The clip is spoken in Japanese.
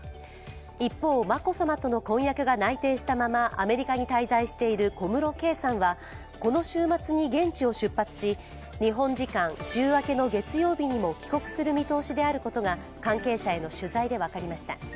一方、眞子さまとの婚約が内定したままアメリカに滞在している小室圭さんはこの週末に現地を出発し、日本時間週明けの月曜日にも帰国する見通しであることが関係者への取材で分かりました。